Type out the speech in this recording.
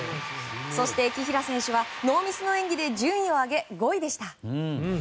そして紀平選手はノーミスの演技で順位を上げ５位でした。